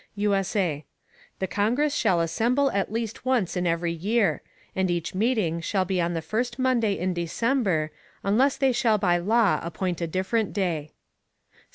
[USA] The Congress shall assemble at least once in every Year, and such Meeting shall be on the first Monday in December, unless they shall by Law appoint a different Day.